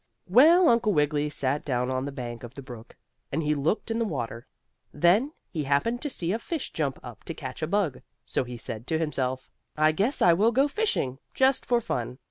Well, Uncle Wiggily sat down on the bank of the brook, and he looked in the water. Then he happened to see a fish jump up to catch a bug, so he said to himself: "I guess I will go fishing, just for fun.